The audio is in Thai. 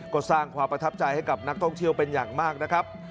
ก็สร้างความประทับใจให้กับนักท่องเที่ยวเป็นอย่างมากนะครับ